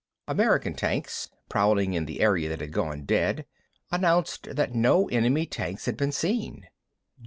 American tanks, prowling in the area that had gone dead, announced that no enemy tanks had been seen.